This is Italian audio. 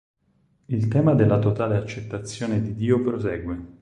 Il tema della totale accettazione di Dio prosegue.